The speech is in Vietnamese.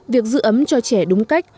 việc giữ ấm cho trẻ đúng cách